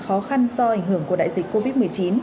khó khăn do ảnh hưởng của đại dịch covid một mươi chín